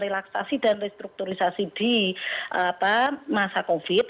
relaksasi dan restrukturisasi di masa covid